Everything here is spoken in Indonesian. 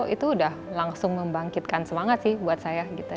itu udah langsung membangkitkan semangat sih buat saya gitu